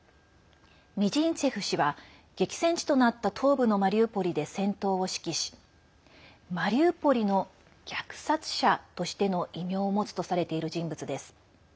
ミジンツェフ氏は激戦地となった東部のマリウポリで戦闘を指揮しマリウポリの虐殺者としての異名を持つとされている人物です。